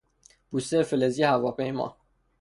پوستهی فلزی هواپیما